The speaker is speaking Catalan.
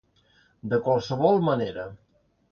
De qualsevol manera.